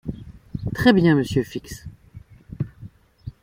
Très-bien, monsieur Fix.